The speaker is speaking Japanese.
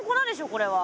これは。